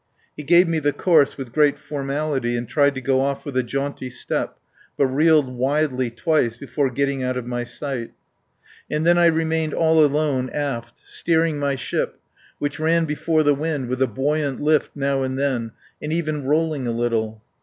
He gave me the course with great formality and tried to go off with a jaunty step, but reeled widely twice before getting out of my sight. And then I remained all alone aft, steering my ship, which ran before the wind with a buoyant lift now and then, and even rolling a little.